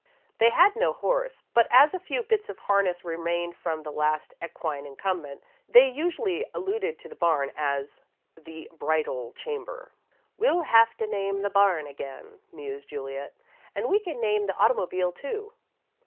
They had no horse, but as a few bits of harness remained from the last equine incumbent, they usually alluded to the barn as "the bridle chamber." "We'll have to name the barn again," mused Juliet, "and we can name the automobile, too."